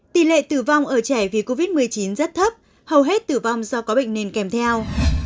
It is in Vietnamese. tỷ lệ tử vong ở trẻ vì covid một mươi chín rất thấp hầu hết tử vong do có bệnh nền kèm theo